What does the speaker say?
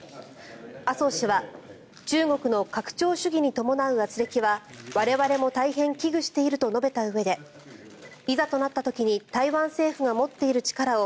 麻生氏は中国の拡張主義に伴うあつれきは我々も大変危惧していると述べたうえでいざとなった時に台湾政府が持っている力を